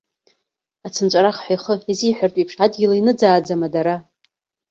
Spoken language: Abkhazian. Ацынҵәарах ҳәа ихы иазиҳәартә еиԥш адгьыл ианыӡааӡама дара?